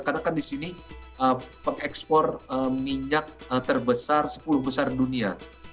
karena kan di sini pengekspor minyak terbesar sepuluh besar dunia